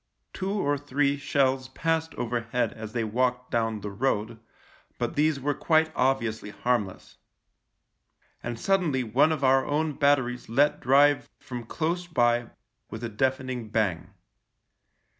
Two or three shells passed overhead as they walked down the road, but these were quite obviously harmless. And suddenly one of our own batteries let drive from close by with a deafening bang.